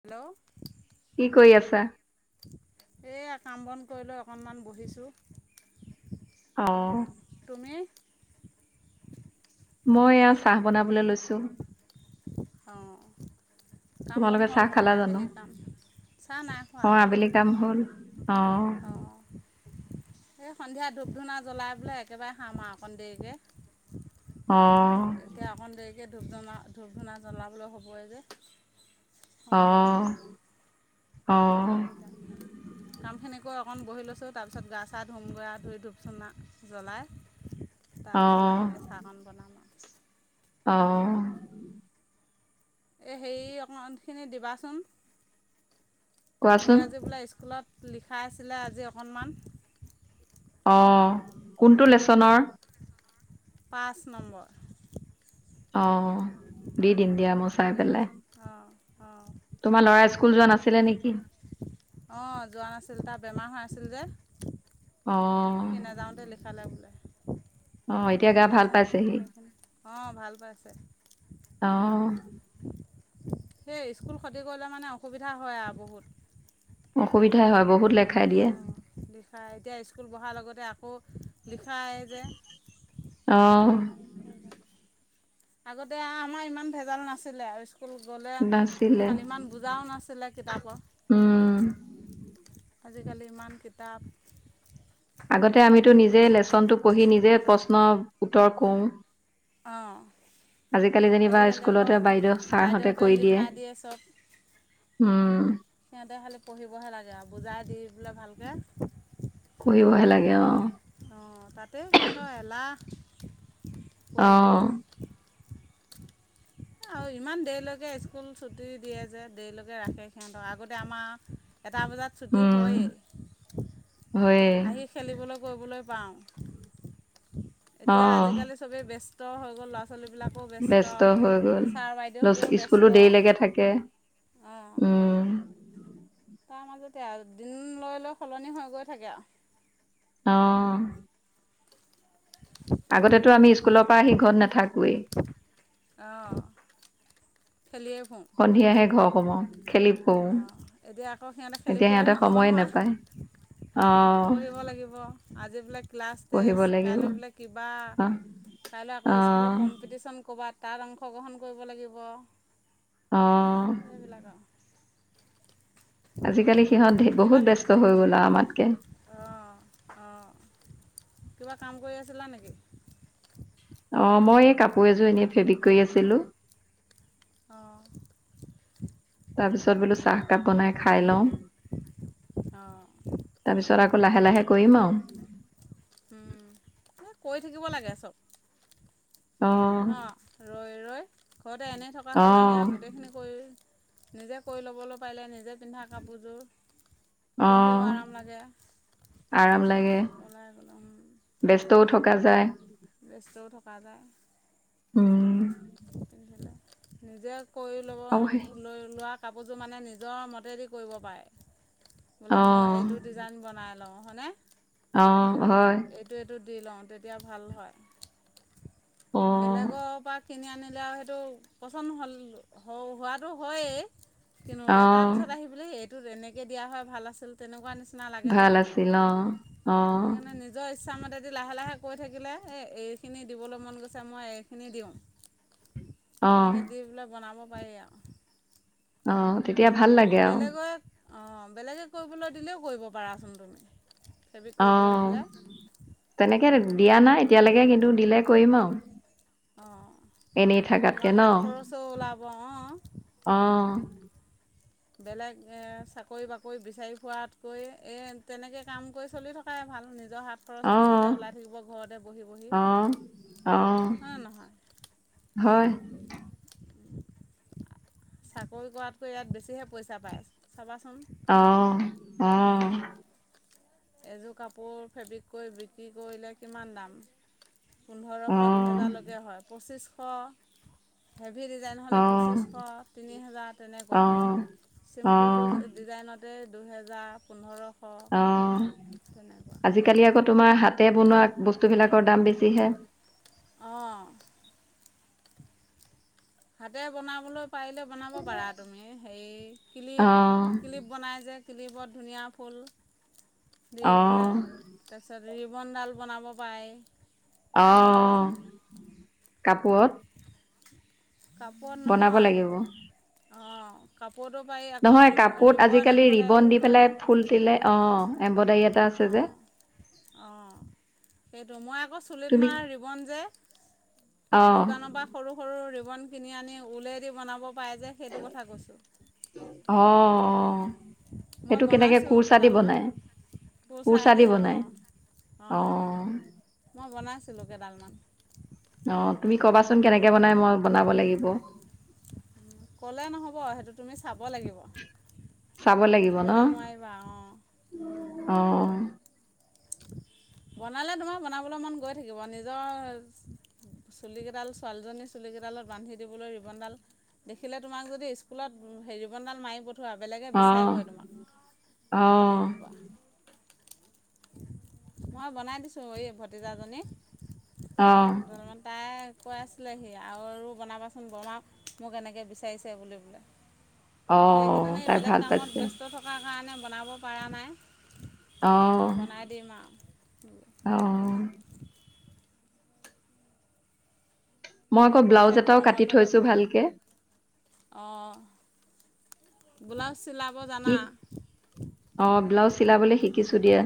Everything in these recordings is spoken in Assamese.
হেল্ল' কি কৰি আছা? এইয়া কাম বন কৰি লৈ অকণমান বহিছোঁ, অ', তুমি? মই এয়া চাহ বনাবলৈ লৈছোঁ। অ কাম বন হল চাহ মানে, খালা জানো? আবেলি কাম। চাহ নাই খোৱা অ আবেলি কাম হল অহ অঁ এই সন্ধিয়া ধূপ ধূনা জ্বলাই বোলে একেবাৰে খাম আৰু অকণ দেৰিকে। অঁ এতিয়া অকণ দেৰিকৈ ধূপ ধনা ধূপ ধূনা জ্বলাবলৈ হ'বই যে। সন্ধিয়া অহ অহ কৈ অকণ বহি লৈছোঁ, তাৰপিছত গা চা ধুম গৈ আওঁ ধুই ধূপ চনা জ্বলাই তাৰপিছত অ', লাহেকে চাহ কণ বনাম আৰু অ এ হেৰি অকমান খিনি দিবাচোন। কোৱাচোন? ইংৰাজী বোলে স্কুলত লিখাইচিলে আজি অকণমান। অ কোনটো লেচনৰ পাঁচ নম্বৰ। অ দি দিম দিয়া মোৰ চাই পেলাই, দিবাচোন অঁ অঁ তোমাৰ লৰা স্কুল যোৱা নাছিলে নেকি? অ যোৱা নাছিল তাৰ বেমাৰ হৈ আ আছিল যে, অ', সি নাযাওঁতে লিখালে বোলে। অ এতিয়া গা ভাল দিবাচোন পাইছেহি? সেইখিনি অঁ ভাল পাইছে অহ সেই স্কুল ক্ষতি কৰিলে মানে অসুবিধা হয় আৰু বহুত। অসুবিধাই হয় বহুত লেগ অঁ লিখা এতিয়া স্কুল বহাৰ লগতে আকৌ লিখাই যে। অহ আগতে আমাৰ ইমান ভেজাল নাছিলে আৰু স্কুল গ'লে নাছিলে। বিশাল ইমান বুজাও নাছিলে কিতাপৰ। উম। আজিকালি ইমান কিতাপ। আগতে আমিতো নিজে লেচনটো পঢ়ি নিজে প্ৰশ্নৰ উত্তৰ কওঁ। অঁ আজিকালি যেনিবা আজিকালি আকৌ স্কুলতে বাইদেউ ছাৰহঁতে বাইদেউহঁতে কৰি দিয়ে। লিখাই চব উম, সিহঁতে খালি পঢ়িবহে লাগে আৰু বুজাই দি বোলে ভালকে এ অ। অঁ পঢ়িবলে অ', আৰু ইমান দেৰিলৈকে স্কুল ছুটি দিয়ে যে, দেৰিলৈকে ৰাখে সিহঁতক আগতে আমাৰ। এটা বজাত ছুটি উম। হয়েই হয়ে আহি খেলিবলৈ কৰিবলৈ পাওঁ। এতিয়া অ', আজিকালি চবেই ব্যস্ত হৈ গল, ল ব্যস্ত হৈ গল, লৰা বাইদেউহঁতেও চো ব্যস্ত স্কুলো দেৰিলৈকে থাকে। অঁ উম, তাৰ মাজতে আৰু দিন লৈ লৈ সলনি হৈ গৈ থাকে আও অ আগতেতো আমি স্কুলৰ পৰা আহি ঘৰত নাথাকোৱেই। অহ সন্ধিয়াহে ঘৰ সোমও। খেলি পো, অঁ এতিয়া আকৌ সিহঁতে খেলি এতিয়া ফুৰিলে সিহঁতে নহ'ব সময়ে নহয় নাপায়। অ', পঢ়িব লাগিব, আজি বোলে ক্লাছ পঢ়িব টেষ্ট লাগিব কাইলৈ বোলে কিবা। অ', কাইলৈ আকৌ স্কুলত অ', কম্পিটিশ্যন ক'ৰবাত তাত অংশগ্ৰহণ কৰিব লাগিব। অ'। সেইবিলাক আৰু আজিকালি সিহঁত বহুত ব্যস্ত হৈ গ'ল আৰু আমাতকে। অ' অ' কিবা কাম কৰি আছিলা নেকি? অ' মই এই কাপোৰ এযোৰ এনেই ফেব্ৰিক কৰি আছিলো। অ' তাৰপিছত বোলো চাহকাপ বনাই খাই লওঁ। অঁ তাৰপিছত আকৌ লাহে লাহে কৰিম আও। এই কৰি থাকিব লাগে চব ন ৰয় ৰয় ঘৰতে এনেই থকা অ অ সলনি আৰু গোটেইখিনি কৰি। নিজে কৰি ল'বলৈ পাৰিলে। নিজে পিন্ধা কাপোৰযোৰ, অ পিন্ধিও আৰম লাগে। আৰাম লাগে ওলাই গ'লে ব্যস্তও থকা যায়। গাজা উম নিজে কৰি ল'ব আৰু সেই লৈ লোৱা। কাপোৰযোৰ মানে নিজৰ মতেদি কৰিব পাৰে, অ বোলে মোৰ এইটো ডিজাইন বনাই লওঁ। হয় নে? অহ হয়। লওঁ তেতিয়া ভাল হয়। অ বেলেগৰ পা কিনি আনিলে আৰু সেইটো পচন্দ হ'ল হোৱাটো হয়েই অ কিনোতে তাৰ পিছত আহিবি এইটোত এনেকে দিয়া হয় ভাল আছিল তেনেকুৱা নিচিনা। লাগে যে ভাল আছিল অ' অ'। যদি লাহে লাহে কৈ থাকিলে এই এইখিনি দিবলৈ মন গৈছে, মই এইখিনি দিওঁ। অ তেনেকে দি পেলাই বনাব পাৰি আও। অ' তেতিয়া ভাল লাগে আও। অ' বেলেগে কৰিবলৈ দিলেও কৰিব পাৰাচোন তুমি? ফেব্ৰিক কৰিবলৈ অ' দিলে তেনেকে দিয়া নাই এতিয়ালৈকে কিন্তু দিলে কৰিম আও। অঁ এনেই থাকাতকে ন। অৱ অহ বেলেগ এ চাকৰি বাকৰি বিচাৰি খোৱাতকৈ, এই তেনেকে কাম কৰি চলি থকাই ভাল। নিজৰ হাত খৰচটো নিজে অ', ওলাই থাকিব ঘৰতে বহি বহি। অ', অ', হ নে নহয়। হয়। [unintelligible] চাকৰি কৰাতকৈ ইয়াত বেছিহে পইচা পায় চাবা। অহ অহ। এযোৰ কাপোৰ ফেব্ৰিক কৰি বিক্ৰী কৰিলে কিমান দাম? অ', পোন্ধৰশ দুহেজাৰলৈকে হয় পঁচিশ। হেভি ডিজাইন হ'লে অ', পঁচিছশ। তিনি হেজাৰ তেনেকুৱা হয়, অ', চিম্পুল ড ডিজাইনতে দুহেজাৰ পোন্ধৰ। অ' আজিকালি আকৌ তোমাৰ হাত। তাতে বনোৱা বস্তুবিলাকৰ দাম বেছি হে। অ' হাতে বনাবলৈ পাৰিলে বনাব পাৰা তুমি হেৰি ক্লিপ অ', ক্লিপ বনাই যে। ক্লিপ অত ধুনীয়া ফুল দি অ', পেলাই তাৰ পিছত ৰি বন ডাল বনাব পাৰে, সেইবোৰ অ', বনাবাচোন। কাপোৰত কাপোৰত বনাব নহয়। লাগিব। অঁ কাপোৰটো পাৰি আকৌ নহয়। ৰিব কাপোৰত ৰিবন আজিকালি এম্ব্ৰইডাৰী ৰিবন দি কয় যে পেলাই ফুল দিলে। অ'! এম্বইদেৰী এটা আছে যে। অ'! সেইটো, মই আকৌ চুলিত তুমি মাৰা ৰিবন যে অ', দোকানৰ পৰা সৰু, সৰু ৰিবন কিনি আনি উলে দি বনাব পাৰে যে সেইটো কথা কৈছোঁ। অ', অ', সেইটো কেনেকে? কুৰ্চা দি বনাই। কুৰ্চা দি অ'! অ'! মই বনাইছিলোঁ। কেইডালমান। অ'! তুমি কবাচোন কেনেকে বনাই, মই বনাব লাগিব। ক'লে নহ'ব, সেইটো তুমি চাব লাগিব। চাব লাগিব ক'লে ন'? নোৱাৰিবা অঁ উম অ'! বনালে তোমাৰ বনাবলৈ মন গৈ থাকিব। নিজৰ চুলি কেইডাল, ছোৱালীজনীৰ চুলি কেইডালত বান্ধি দিবলৈ ৰিবনডাল দেখিলে তোমাক যদি, স্কুলত হেৰি ৰিবন ডাল মাৰিব চোৱা বেলেগে অ বিচাৰিবই অ তোমাক। মই বনাই দিছোঁ, এই ভতিজাজনী। অ তাই কৈ আছিলেহি আৰু বনাবাচোন বৰমা! মোক এনেকৈ বিচাৰিছে বুলি বোলে। অ কিন্তু, এইকেইদিন তাই বেলেগ ভাল কামত পাইছে ব্যস্ত থকাৰ কাৰণে বনাব পৰা নাই। অ'! বনাই দিম আৰু অ'! মই তাই আকৌ ব্লাউজ কৈছে এটাও গৰম কাটি বন্ধতে থৈছোঁ ভালকে। অঁ ব্লাউজ চিলাব জানা? চিলাবলে শিকিছোঁ দিয়া।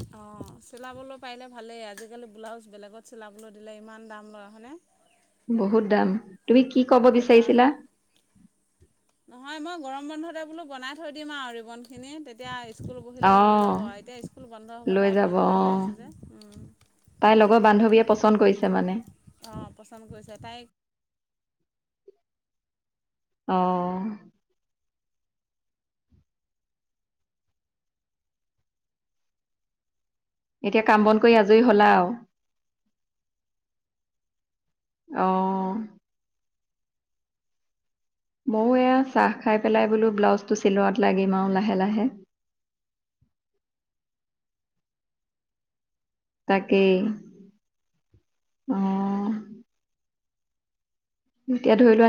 অ'! চিলাবলৈ পাৰিলে ভালেই, আজিকালি ব্লাউজ বেলেগত চিলাবলৈ দিলে ইমান দাম লয় হয়নে? বহুত দাম। তুমি কি কব এটা বিচাৰিছিলা? নহয় মই গৰম বন্ধতে বোলো বনাই থৈ দিম আৰু ৰিবন খিনি। তেতিয়া স্কুল বহিলে অ লৈ যাব আৰু এতিয়া স্কুল বন্ধ হ'ব লৈ তাই যাব অ পৰীক্ষা হৈ আছে যে। তাইৰ লগৰ বান্ধৱীয়ে পচন্দ কৰিছে মানে। অঁ পচন্দ কৰিছে তাইক অ'! এতিয়া কাম বন কৰি আজৰি হ'লা আও? অ'! মইয়ো এয়া, চাহ খাই পেলাই বোলো ব্লাউজটো চিলোৱাত লাগিম আও লাহে, লাহে। [inaudible] তাকেই। অ'! অ'! এতিয়া ধৰি লোৱা